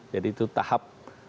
jadi itu tahap